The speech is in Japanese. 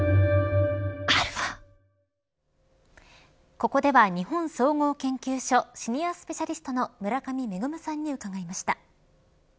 ここでは、日本総合研究所シニアスペシャリストの村上芽さんに伺いました。